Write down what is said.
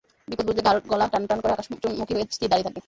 বিপদ বুঝলে ঘাড়-গলা টান টান করে আকাশমুখী হয়ে স্থির দাঁড়িয়ে থাকবে।